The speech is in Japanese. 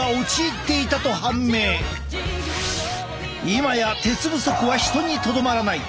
今や鉄不足は人にとどまらない。